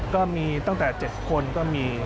ก็มีตั้งแต่๗คนก็มี